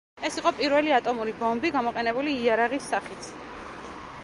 ეს იყო პირველი ატომური ბომბი გამოყენებული იარაღის სახით.